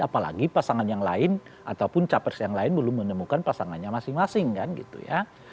apalagi pasangan yang lain ataupun capres yang lain belum menemukan pasangannya masing masing kan gitu ya